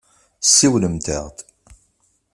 Siwlemt-aɣ-d.